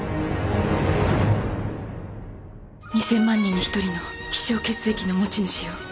２、０００万人に１人の希少血液の持ち主よ。